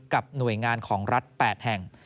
กับหน่วยงานของรัฐ๘แห่ง